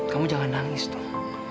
kamu jangan nangis tuh